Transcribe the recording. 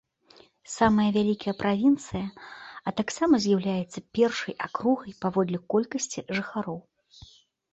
Самая вялікая правінцыя, а таксама з'яўляецца першай акругай паводле колькасці жыхароў.